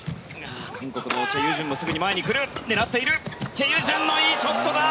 チェ・ユジュンのいいショットだ！